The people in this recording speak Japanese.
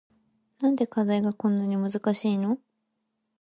なんで課題がこんなに難しいの